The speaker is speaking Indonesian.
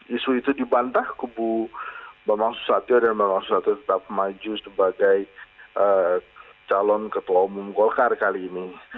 isu itu dibantah ke bu bama susatyo dan bama susatyo tetap maju sebagai calon ketua umum golkar kali ini